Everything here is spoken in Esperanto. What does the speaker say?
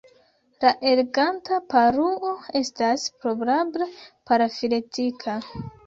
La Eleganta paruo estas probable parafiletika.